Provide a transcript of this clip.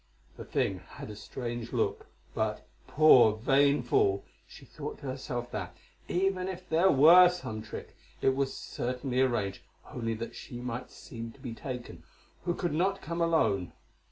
The thing had a strange look, but, poor, vain fool, she thought to herself that, even if there were some trick, it was certainly arranged only that she might seem to be taken, who could not come alone.